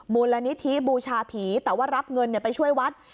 มูลนิธิบูชาผีแต่ว่ารับเงินไปช่วยวัด